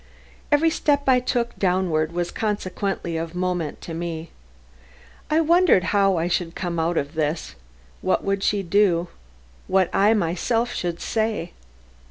Every step I took downward was consequently of moment to me. I wondered how I should come out of this; what she would do; what I myself should say.